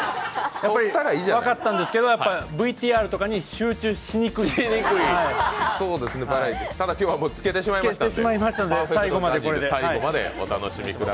分かったんですけどＶＴＲとかに集中しにくいただつけてしまいましたので、これで最後まで。